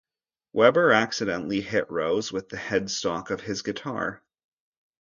Weber accidentally hit Rose with the headstock of his guitar.